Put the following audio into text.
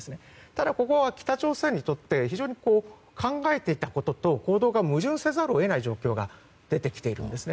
ただ、ここは北朝鮮にとって非常に考えていたことと行動が矛盾せざるを得ない状況が出てきているんです。